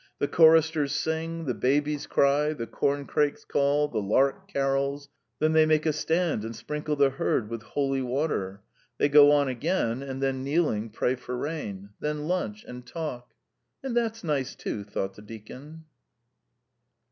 The choristers sing, the babies cry, the corncrakes call, the lark carols. ... Then they make a stand and sprinkle the herd with holy water. ... They go on again, and then kneeling pray for rain. Then lunch and talk. ... "And that's nice too ..." thought the deacon.